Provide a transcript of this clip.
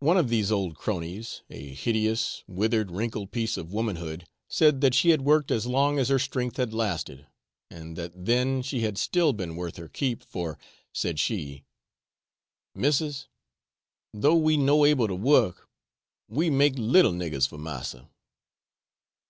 One of these old crones, a hideous, withered, wrinkled piece of womanhood, said that she had worked as long as her strength had lasted, and that then she had still been worth her keep, for, said she, 'Missus, tho' we no able to work, we make little niggers for massa.'